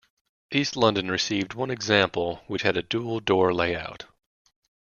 East London received one example which had a dual door layout.